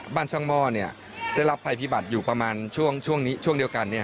สร้างหม้อได้รับภัยพิบัติอยู่ประมาณช่วงเดียวกัน